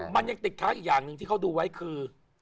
มันยังติดค้างอีกอย่างหนึ่งที่เขาดูไว้คือ